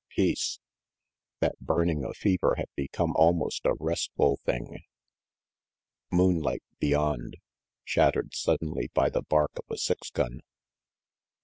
Peace. That burning of fever had become almost a restful thing. Moonlight beyond shattered suddenly by the bark of a six gun.